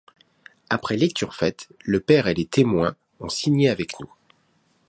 Après lecture faite, le père et les témoins ont signé avec nous.